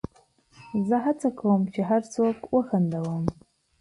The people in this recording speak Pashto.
زه هڅه کوم، چي هر څوک وخندوم.